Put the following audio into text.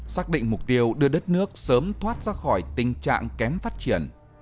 xác định mục tiêu đưa đất nước sớm thoát ra khỏi tình trạng kém phát triển